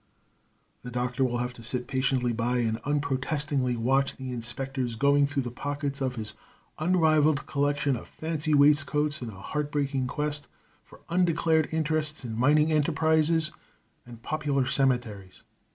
The Doctor will have to sit patiently by and unprotestingly watch the inspectors going through the pockets of his unrivaled collection of fancy waist coats in a heart breaking quest for undeclared interests in mining enterprises and popular cemeteries.